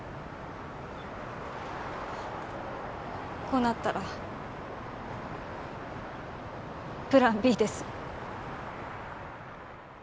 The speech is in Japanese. こうなったらプランＢです。